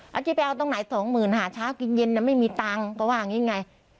แล้วจะไปเอาตรงไหนสองหมื่นหาเช้ากินเย็นไม่มีตังค์ก็ว่าอย่างนี้ไง